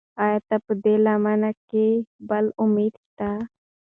ایا په دې لمنه کې بل امید شته؟